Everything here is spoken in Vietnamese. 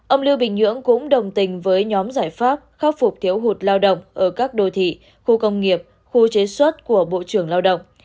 ông lưu bình nhưỡng cũng đồng tình với nhóm giải pháp khắc phục thiếu hụt lao động ở các đô thị khu công nghiệp khu chế xuất của bộ trưởng lao động